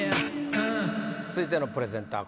続いてのプレゼンター